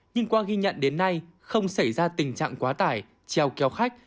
nhưng qua ghi nhận đến nay không xảy ra tình trạng quá tải treo kéo khách